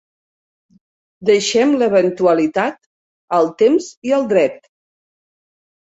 Deixem l'eventualitat al temps i al dret.